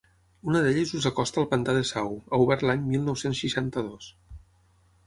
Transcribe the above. Una d'elles us acosta al pantà de Sau, obert l'any mil nou-cents seixanta-dos.